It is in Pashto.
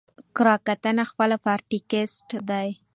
کره کتنه خپله پاراټيکسټ دئ.